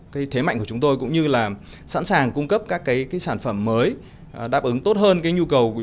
cái thế mạnh của chúng tôi cũng như là sẵn sàng cung cấp các cái sản phẩm mới đáp ứng tốt hơn cái nhu cầu của